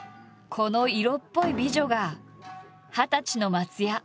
この色っぽい美女が二十歳の松也。